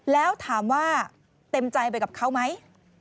แล้วถามว่าเต็มใจไปกับเขาไหม